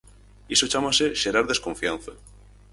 Iso chámase xerar desconfianza.